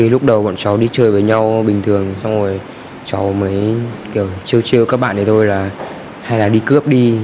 lúc đầu bọn cháu đi chơi với nhau bình thường cháu mới chiêu chiêu các bạn này thôi là hay là đi cướp đi